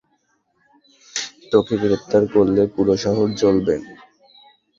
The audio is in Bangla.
তোকে গ্রেফতার করলে পুরো শহর জ্বলবে?